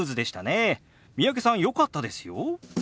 三宅さんよかったですよ。